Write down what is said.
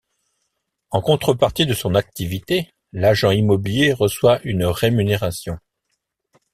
En contrepartie de son activité, l'agent immobilier reçoit une rémunération.